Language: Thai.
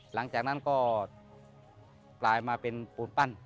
หลังจากนั้นก็กลายมาเป็นปูนปั้น